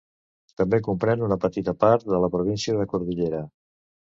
També comprèn una petita part de la província de Cordillera.